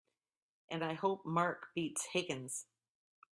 And I hope Mark beats Higgins!